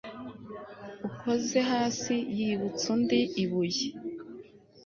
ukoze hasi yibutsa undi ibuye